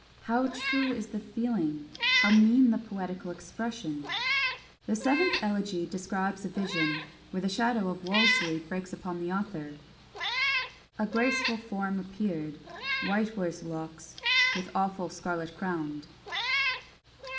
How true is the feeling! how mean the poetical expression! The Seventh Elegy describes a vision, where the shadow of Wolsey breaks upon the author: A graceful form appear'd, White were his locks, with awful scarlet crown'd.